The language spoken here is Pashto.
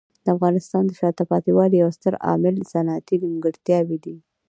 د افغانستان د شاته پاتې والي یو ستر عامل صنعتي نیمګړتیاوې دي.